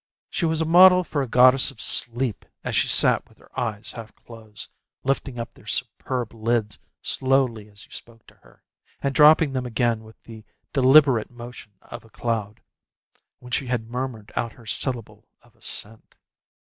She was a model for a goddess of sleep as she sat with her eyes half closed, lifting up their superb lids slowly as you spoke to her, and dropping them again with the deliberate motion of a cloud, when she had murmured out her syllable of assent.